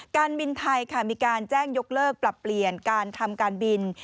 การบินไทยค่ะมีการแจ้งยกเลิกปรับเปลี่ยนการทำการบิน